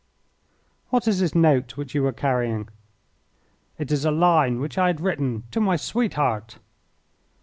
"What is this note which you were carrying?" "It is a line which I had written to my sweetheart."